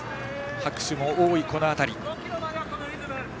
拍手も多いこの辺り。